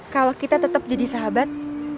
kalau kita tetap jadi sahabat